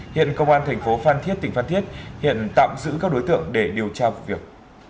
hiện công an thành phố phan thiết tỉnh phan thiết hiện tạm giữ các đối tượng để điều tra vụ việc